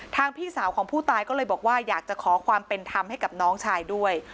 พี่สาวของผู้ตายก็เลยบอกว่าอยากจะขอความเป็นธรรมให้กับน้องชายด้วย